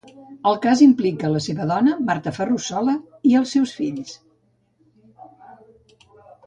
El cas implica la seva dona, Marta Ferrussola i els seus fills.